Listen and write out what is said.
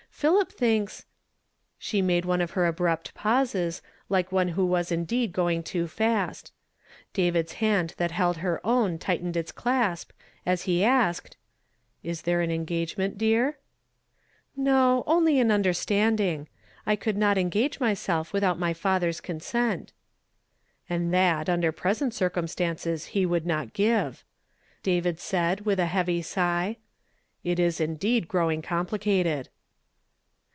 Philip thinks "— She made one of her abrupt pauses, like one who was indeed going too fast. David's hand that held her own tightened its clasp, as he asked, —*' Is there an engagement, dear? "" No, only an understanding. I could not en gage myself without my father's consent." " And that, under present circumstances he would not give," David said with a heavy sigh. "It is indeed growing complicated